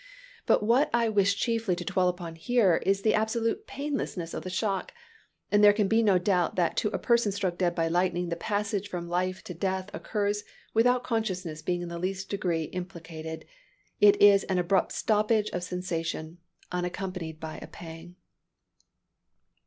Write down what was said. But what I wish chiefly to dwell upon here, is the absolute painlessness of the shock; and there can not be a doubt that to a person struck dead by lightning the passage from life to death occurs without consciousness being in the least degree implicated. It is an abrupt stoppage of sensation, unaccompanied by a pang."